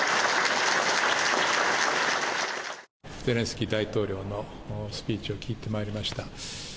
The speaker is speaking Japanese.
ゼレンスキー大統領のスピーチを聞いてまいりました。